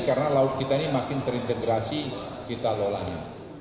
karena laut kita ini makin terintegrasi kita lolanya